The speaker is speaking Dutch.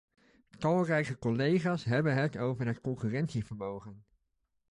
Talrijke collega's hebben het over het concurrentievermogen.